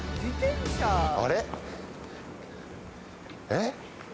えっ？